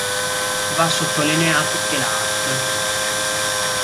Va sottolineato che l'art.